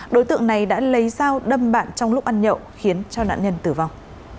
đối tượng này đã lấy dao đâm bạn trong lúc ăn nhậu khiến cho nạn nhân tử vong